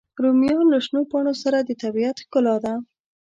رومیان له شنو پاڼو سره د طبیعت ښکلا ده